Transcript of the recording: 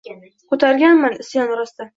Ko’targanman isyon rostdan